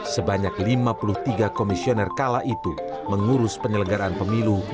sebanyak lima puluh tiga komisioner kala itu mengurus penyelenggaraan pemilu